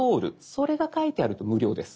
それが書いてあると無料です。